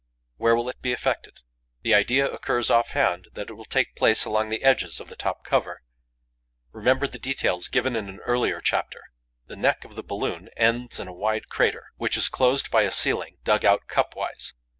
Where will it be effected? The idea occurs off hand that it will take place along the edges of the top cover. Remember the details given in an earlier chapter. The neck of the balloon ends in a wide crater, which is closed by a ceiling dug out cup wise.